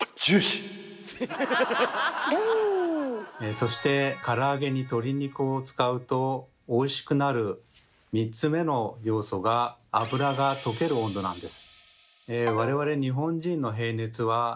そしてから揚げに鶏肉を使うとおいしくなる３つ目の要素が脂が溶ける温度なんです。